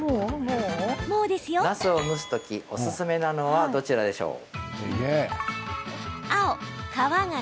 なすを蒸す時おすすめなのはどちらでしょう？